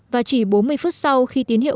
và chỉ bốn mươi phút sau khi tín hiệu